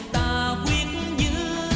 ta quyết giữ